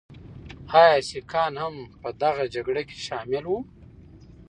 ایا سکهان هم په دغه جګړه کې شامل وو؟